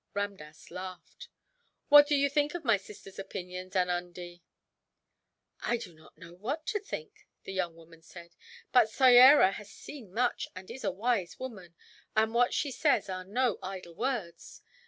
Ramdass laughed. "What do you think of my sister's opinions, Anundee?" "I do not know what to think," the young woman said; "but Soyera has seen much, and is a wise woman, and what she says are no idle words.